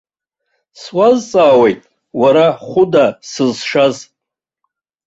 Суазҵаауеит, уара хәыда сызшаз!